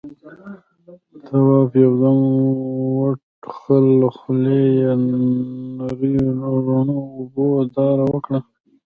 تواب يو دم وټوخل، له خولې يې نريو رڼو اوبو داره وکړه.